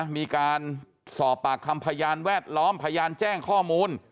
มีการสอบปากคำพยานแวดล้อมพยานแจ้งข้อมูล